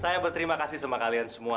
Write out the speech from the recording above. saya berterima kasih sama kalian semua